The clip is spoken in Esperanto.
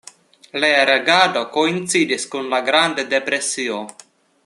Lia regado koincidis kun la Granda Depresio.